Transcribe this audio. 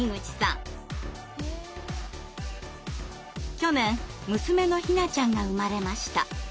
去年娘のひなちゃんが生まれました。